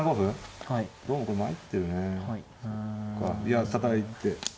いやたたいて。